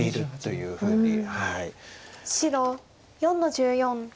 白４の十四。